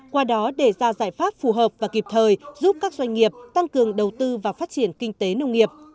qua đó để ra giải pháp phù hợp và kịp thời giúp các doanh nghiệp tăng cường đầu tư và phát triển kinh tế nông nghiệp